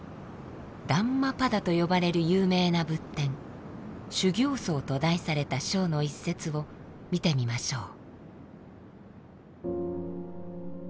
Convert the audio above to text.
「ダンマパダ」と呼ばれる有名な仏典「修行僧」と題された章の一節を見てみましょう。